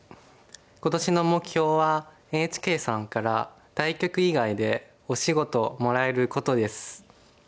今年の目標はＮＨＫさんから対局以外でお仕事もらえることです。